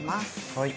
はい。